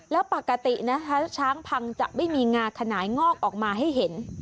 แล้วปกตินะคะช้างพังจะไม่มีงาขนายงอกออกมาให้เห็น